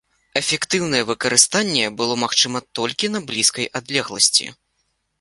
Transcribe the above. Эфектыўнае выкарыстанне было магчыма толькі на блізкай адлегласці.